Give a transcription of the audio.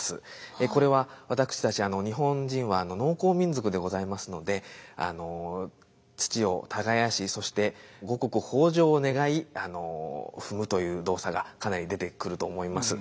これは私たち日本人は農耕民族でございますので土を耕しそして五穀豊穣を願い踏むという動作がかなり出てくると思います。